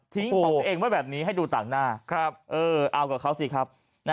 ของตัวเองไว้แบบนี้ให้ดูต่างหน้าเอากับเขาสิครับ